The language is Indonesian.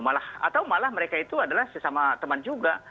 malah atau malah mereka itu adalah sesama teman juga